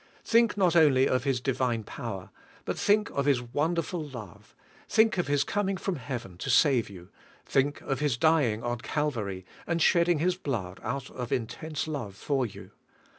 Think not only of His Divine power, but think of His wonderful love; think of His coming from heaven to save you; think of His dying on Calvary and shedding His blood out of intense love for you.